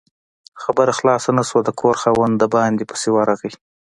خبره خلاصه نه شوه، د کور خاوند د باندې پسې ورغی